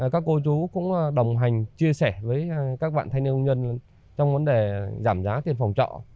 các cô chú cũng đồng hành chia sẻ với các bạn thanh niên công nhân trong vấn đề giảm giá tiền phòng trọ